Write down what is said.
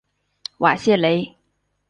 瓦谢雷。